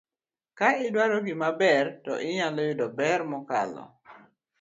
ka idwaro gimaber to inyalo yudo ber mokalo.